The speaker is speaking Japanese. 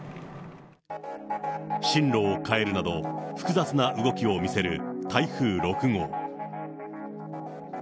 進路を変えるなど、複雑な動きを見せる台風６号。